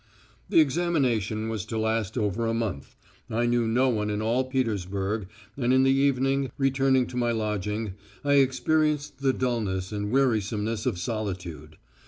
"The examination was to last over a month. I knew no one in all Petersburg, and in the evening, returning to my lodging, I experienced the dulness and wearisomeness of solitude.